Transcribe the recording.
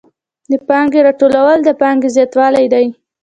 د پانګې راټولونه د پانګې زیاتېدل دي